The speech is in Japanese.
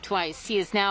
いいですね。